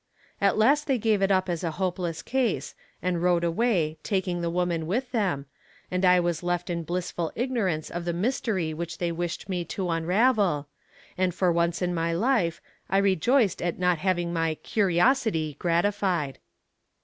At last they gave it up as a hopeless case and rode away taking the woman with them, and I was left in blissful ignorance of the mystery which they wished me to unravel, and for once in my life I rejoiced at not having my "curiosity" gratified.